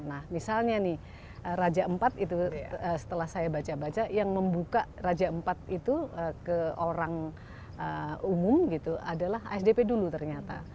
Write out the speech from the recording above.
nah misalnya nih raja iv itu setelah saya baca baca yang membuka raja empat itu ke orang umum gitu adalah asdp dulu ternyata